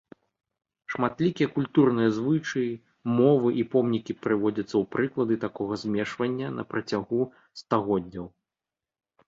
Шматлікія культурныя звычаі, мовы і помнікі прыводзяцца ў прыклады такога змешвання на працягу стагоддзяў.